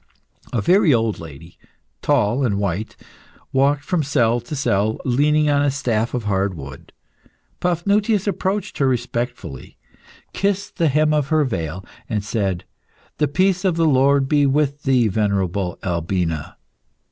A very old lady, tall and white, walked from cell to cell, leaning on a staff of hard wood. Paphnutius approached her respectfully, kissed the hem of her veil, and said "The peace of the Lord be with thee, venerable Albina.